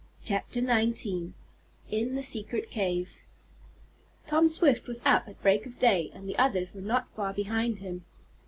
CHAPTER XIX IN THE SECRET CAVE Tom Swift was up at break of day, and the others were not far behind him.